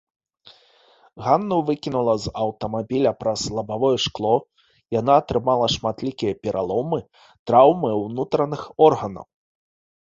Ганну выкінула з аўтамабіля праз лабавое шкло, яна атрымала шматлікія пераломы, траўмы ўнутраных органаў.